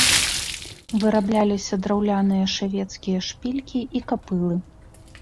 Вырабляліся драўляныя шавецкія шпількі і капылы.